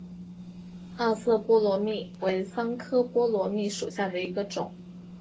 二色波罗蜜为桑科波罗蜜属下的一个种。